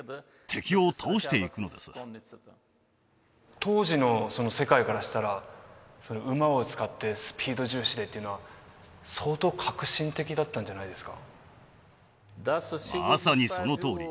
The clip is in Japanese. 当時の世界からしたら馬を使ってスピード重視でっていうのは相当革新的だったんじゃないですか？